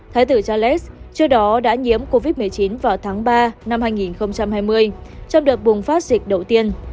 thái tử charles trước đó đã nhiễm covid một mươi chín vào tháng ba năm hai nghìn hai mươi trong đợt bùng phát dịch đầu tiên